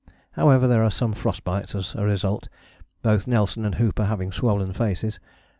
However, there are some frost bites as a result, both Nelson and Hooper having swollen faces.